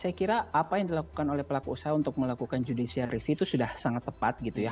saya kira apa yang dilakukan oleh pelaku usaha untuk melakukan judicial review itu sudah sangat tepat gitu ya